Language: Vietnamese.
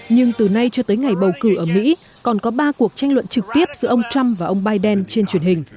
nhưng từ nay cho tới ngày bầu cử ở mỹ còn có ba cuộc tranh luận trực tiếp giữa ông trump và ông biden trên truyền hình